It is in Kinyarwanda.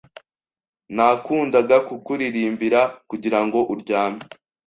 Nakundaga kukuririmbira kugirango uryame.